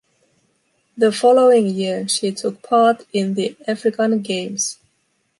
The following year, she took part in the African Games.